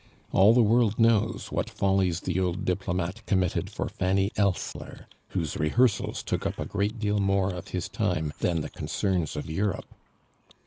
All the world knows what follies the old diplomate committed for Fanny Elssler, whose rehearsals took up a great deal more of his time than the concerns of Europe.